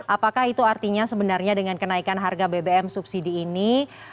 apakah itu artinya sebenarnya dengan kenaikan harga bbm subsidi ini